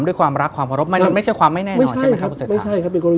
ย้ำอีกทีไม่ใช่ความไม่แน่นอน